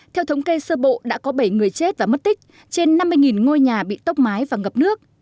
theo thống kê sơ bộ đã có bảy người chết và mất tích trên năm mươi ngôi nhà bị tốc mái và ngập nước